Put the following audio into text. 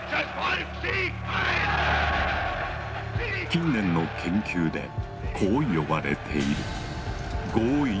近年の研究でこう呼ばれている。